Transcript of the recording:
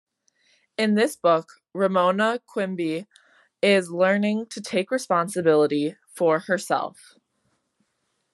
In this book Ramona Quimby is learning to take responsibility for herself.